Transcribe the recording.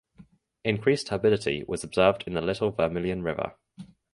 Increased turbidity was observed in the Little Vermillion River.